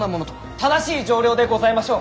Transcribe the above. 正しい丈量でございましょう。